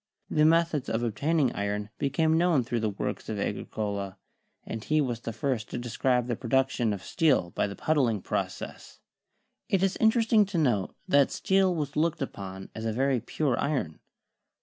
The methods of ob taining iron became known through the works of Agri 82 CHEMISTRY cola, and he was the first to describe the production of steel by the puddling process. It is interesting to note that steel was looked upon as a very pure iron.